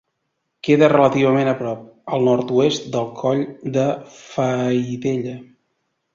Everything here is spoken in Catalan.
Queda relativament a prop, al nord-oest, del Coll de Faidella.